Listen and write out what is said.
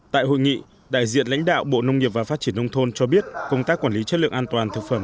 tại hội nghị đại diện lãnh đạo bộ nông nghiệp và phát triển nông thôn cho biết công tác quản lý chất lượng an toàn thực phẩm